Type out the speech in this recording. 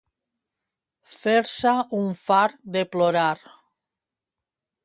Fer-se un fart de plorar.